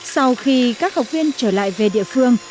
sau khi các học viên trở lại về địa phương